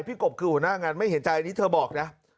กบคือหัวหน้างานไม่เห็นใจอันนี้เธอบอกนะ